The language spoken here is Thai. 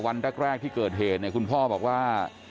ตั้งแต่วันแรกที่เกิดเหตุคุณพ่อบอกว่า